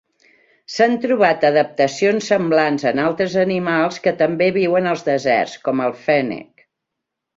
S'han trobat adaptacions semblants en altres animals que també viuen als deserts, com el fennec.